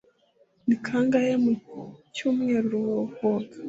Ni kangahe mu cyumweru woga?